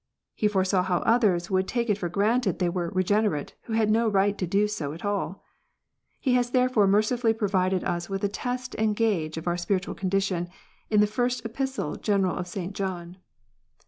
He foresaw how others would take it for granted they were " regenerate," who had no right to do so at all. He has therefore mercifully provided us with a test and gauge of our spiritual condition, in the First Epistle general of St. John.